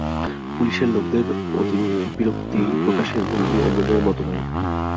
পুলিশের লোকদের বিরক্তি প্রকাশের ভঙ্গি অন্যদের মতো নয়।